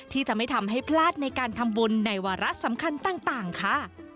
ที่จะไม่ทำให้พลาดในการทำบุญในวาระสำคัญต่างค่ะ